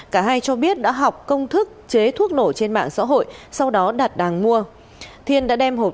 cả hai cho biết đã học công thức chế thuốc nổ trên mạng xã hội sau đó đặt đàng mua